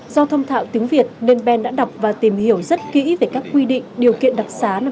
do thông thạo tiếng việt nên ben đã đọc và tìm hiểu rất kỹ về các quy định điều kiện đặc xá năm hai nghìn hai mươi hai